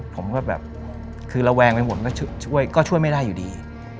ผมก็แบบคือระแวงไปหมดก็ช่วยก็ช่วยไม่ได้อยู่ดี